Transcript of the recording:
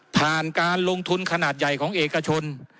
การลงทุนขนาดใหญ่ของเอกชน